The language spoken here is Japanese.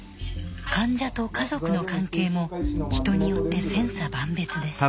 患者と家族の関係も人によって千差万別です。